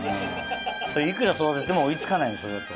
いくら育てても追い付かないそれだと。